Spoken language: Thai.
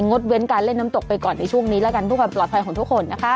ดเว้นการเล่นน้ำตกไปก่อนในช่วงนี้แล้วกันเพื่อความปลอดภัยของทุกคนนะคะ